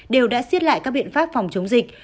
đều đã xiết lại các biện pháp phòng chống dịch